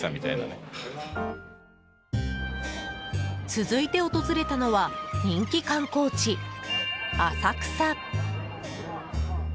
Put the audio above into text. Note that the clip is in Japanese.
続いて訪れたのは人気観光地・浅草。